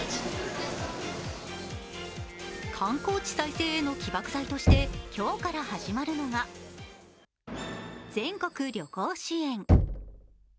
観光地再生への起爆材として今日から始まるのが全国旅行支援。